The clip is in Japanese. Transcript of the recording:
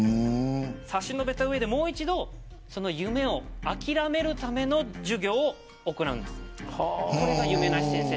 差し伸べた上でもう一度夢を諦めるための授業を行うんですがそれが夢なし先生。